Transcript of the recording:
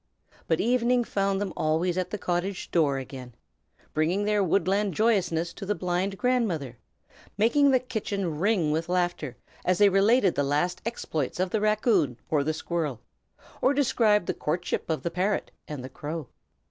But evening found them always at the cottage door again, bringing their woodland joyousness to the blind grandmother, making the kitchen ring with laughter as they related the last exploits of the raccoon or the squirrel, or described the courtship of the parrot and the crow.